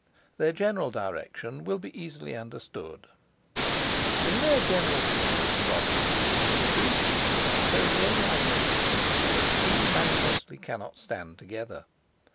Their general direction will be easily understood by reference to the accompanying map. In their general features and objects the two schemes are so nearly identical that the two manifestly cannot stand together.